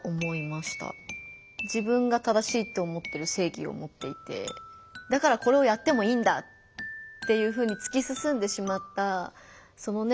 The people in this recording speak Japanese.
自分が正しいって思ってる正義を持っていてだからこれをやってもいいんだっていうふうにつきすすんでしまったそのね